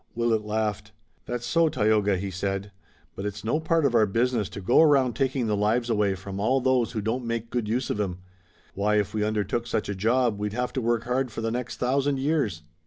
Willet laughed. "That's so, Tayoga," he said, "but it's no part of our business to go around taking the lives away from all those who don't make good use of 'em. Why, if we undertook such a job we'd have to work hard for the next thousand years.